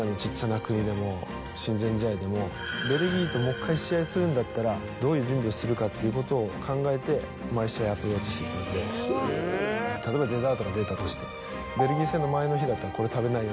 国でも親善試合でもベルギーともう１回試合するんだったらどういう準備をするかっていうことを考えて毎試合アプローチしてきたんで例えばデザートが出たとしてそれを４年間！？